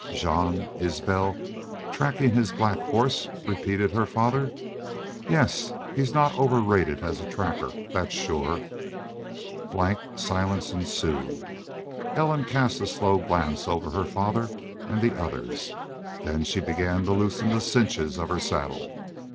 "Jean Isbel trackin' his black horse," repeated her father. "Yes. He's not overrated as a tracker, that's shore." Blank silence ensued. Ellen cast a slow glance over her father and the others, then she began to loosen the cinches of her saddle.